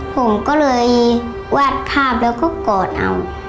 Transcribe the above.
ผมก็เลยวาดภาพแล้วก็กอดเอา